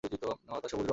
পাতা সবুজ রঙের।